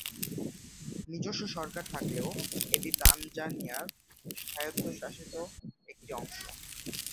নিজস্ব সরকার থাকলেও এটি তানজানিয়ার স্বায়ত্বশাসিত একটি অংশ।